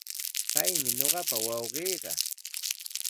Paymi ñuqapa wawqiiqa.